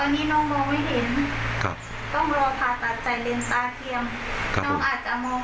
อาจจะมองเห็นแต่ว่าอาจจะเห็นไม่ชัดแต่ก็บอกไม่ได้ว่ากี่เปอร์เซ็นต์ที่น้องจะเห็น